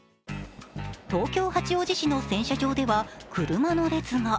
東京・八王子市の洗車場では車の列が。